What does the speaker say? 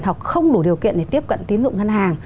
hoặc không đủ điều kiện để tiếp cận tín dụng ngân hàng